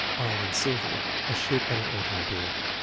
Iron and silver. A ship and an automobile.